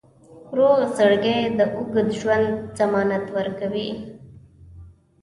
روغ زړګی د اوږد ژوند ضمانت ورکوي.